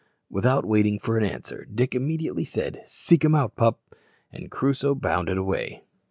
Without waiting for an answer, Dick immediately said, "Seek 'em out, pup," and Crusoe bounded away.